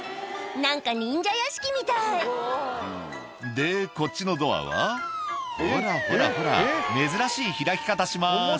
何か忍者屋敷みたい「でこっちのドアはほらほらほら珍しい開き方します」